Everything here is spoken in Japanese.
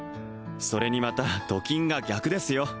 それにまたと金が逆ですよ